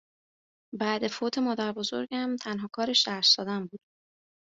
بعد فوت مادربزرگم تنها کارش درس دادن بود